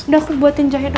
udah aku buatin jahe dulu